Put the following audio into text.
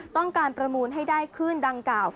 ประมูลให้ได้ขึ้นดังกล่าว